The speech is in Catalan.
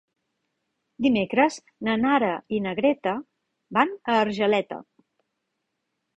Dimecres na Nara i na Greta van a Argeleta.